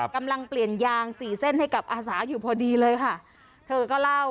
กำลังเปลี่ยนยาง๔เส้นให้กับอาสาอยู่พอดีเลยค่ะ